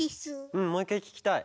うんもう１かいききたい。